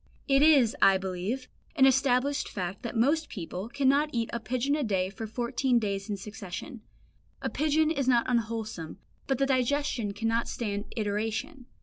It is, I believe, an established fact that most people cannot eat a pigeon a day for fourteen days in succession; a pigeon is not unwholesome, but the digestion cannot stand iteration.